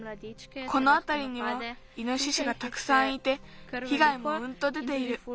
このあたりにはイノシシがたくさんいてひがいもうんと出ている。